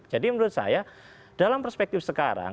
jadi menurut saya dalam perspektif sekarang